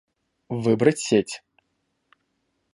Выбрать сеть